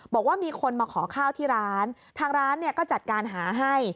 บอกว่ามีคนมาขอข้าวที่ร้านทางร้านเนี่ยก็จัดการหาให้